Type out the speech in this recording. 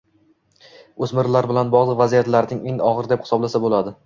o‘smirlar bilan bog‘liq vaziyatlarni eng og‘ir deb hisoblasa bo‘ladi.